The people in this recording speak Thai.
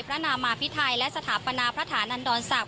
พระนามาภิไทยและสถาปนาพระธานันดรศัพท์